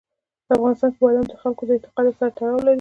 په افغانستان کې بادام د خلکو د اعتقاداتو سره تړاو لري.